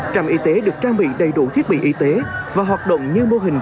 trạm y tế được trang bị đầy đủ thiết bị y tế và hoạt động như mô hình